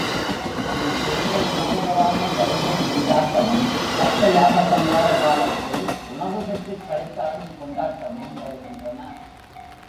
அதில் பேய்கள் உணவு பெறாமல் வருந்தும் திண்டாட்டமும் தக்கயாக சங்கார காலத்தில் உணவு பெற்றுக் களித்தாடும் கொண்டாட்டமும் வருகின்றன.